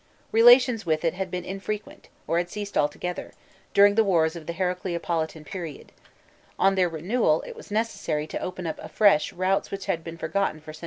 Relations with it had been infrequent, or had ceased altogether, during the wars of the Heracleo politan period: on their renewal it was necessary to open up afresh routes which had been forgotten for centuries.